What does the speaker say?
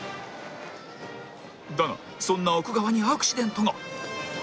だがそんな奥川にアクシデントが